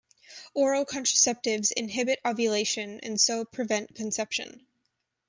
Oral contraceptives inhibit ovulation and so prevent conception.